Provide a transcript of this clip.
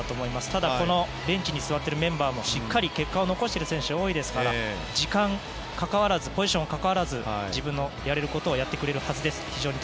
ただ、ベンチに座っているメンバーもしっかり結果を残している選手が多いですから、時間やポジションにかかわらず自分のやれることをやってくれるはずです。